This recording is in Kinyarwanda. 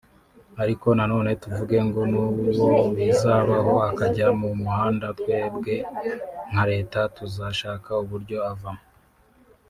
ariko nanone tuvuge ngo n’uwo bizabaho akajya mu muhanda twebwe nka Leta tuzashaka uburyo avamo